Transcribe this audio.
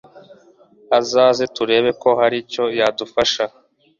Azaze turebe ko hari icyo yadufasha